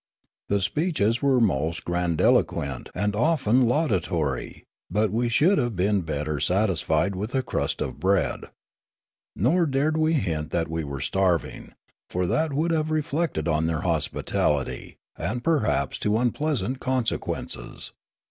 The speeches were most grandiloquent, and often laudatory ; but we should have been better satisfied with a crust of bread. Nor dared we hint that we were starving ; for that would have reflected on their hospitality, and perhaps led to unpleasant conse quences.